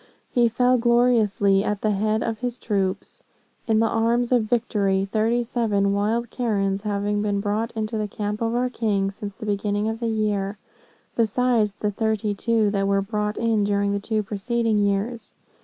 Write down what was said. He fell gloriously at the head of his troops, in the arms of victory, thirty seven wild Karens having been brought into the camp of our king since the beginning of the year, besides the thirty two that were brought in during the two preceding years.